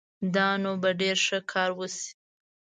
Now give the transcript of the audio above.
دا نو به ډېر ښه کار وشي